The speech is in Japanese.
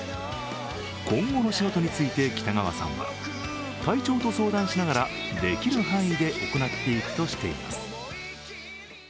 今後の仕事について北川さんは体調と相談しながら、できる範囲で行っていくとしています。